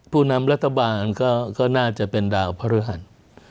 ผู้นำรัฐบาลก็น่าจะเป็นดาวพระฤหัส